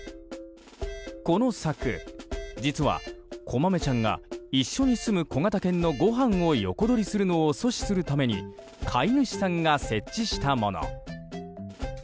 この柵、実はこまめちゃんが一緒に住む小型犬のごはんを横取りするのを阻止するために飼い主さんが設置したもの。